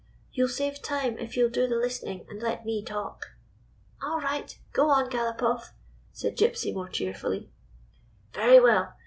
You 'll save time if you 'll do the listening and let me talk." "All right. Go on, Galopoff," said Gypsy, more cheerfully. "Very well.